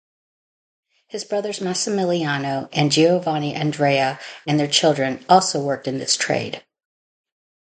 His brothers Massimiliano and Giovanni Andrea and their children also worked in this trade.